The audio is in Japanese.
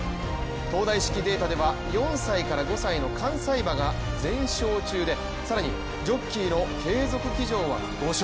東大式データでは４歳から５歳の関西馬が全勝中で、更にジョッキーの継続騎乗は５勝。